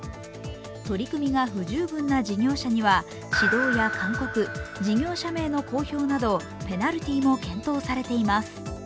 取り組みが不十分な事業者には指導や勧告事業者名の公表などペナルティーも検討されています。